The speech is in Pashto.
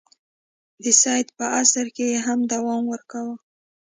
د سید په عصر کې یې هم دوام ورکاوه.